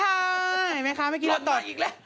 เห็นไหมคะเมื่อกี้เราต่ออีกแล้ว